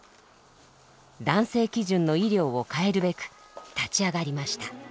男性基準の医療を変えるべく立ち上がりました。